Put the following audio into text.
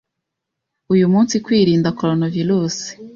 uyu munsi kwirinda corona virus